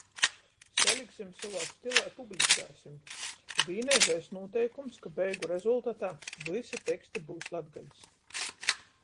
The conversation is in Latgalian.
Saliksim sovā stilā i publicēsim... Vīneigais nūteikums, ka beigu rezultatā vysi teksti byus latgaliski.